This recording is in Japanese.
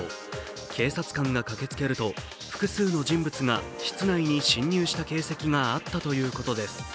警察官が駆けつけると、複数の人物が室内に侵入した形跡があったということです。